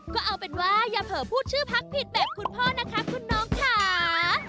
ก็เอาเป็นว่าอย่าเผลอพูดชื่อพักผิดแบบคุณพ่อนะคะคุณน้องค่ะ